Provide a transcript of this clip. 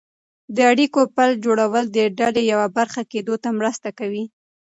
د اړیکو پل جوړول د ډلې یوه برخه کېدو ته مرسته کوي.